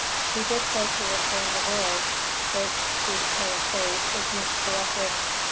"He did so to reform the world, which, through decay of faith, is much corrupted.